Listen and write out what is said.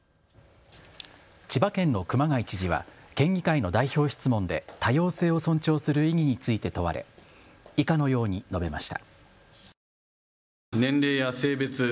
千葉県の熊谷知事は県議会の代表質問で多様性を尊重する意義について問われ以下のように述べました。